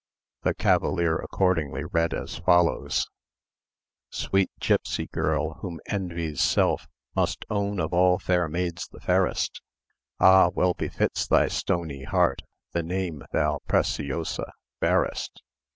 The cavalier accordingly read as follows:— Sweet gipsy girl, whom envy's self Must own of all fair maids the fairest, Ah! well befits thy stony heart The name thou, Preciosa, bearest.